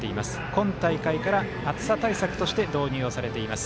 今大会から暑さ対策として導入されています。